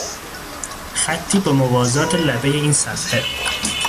خطی به موازات لبهی این صفحه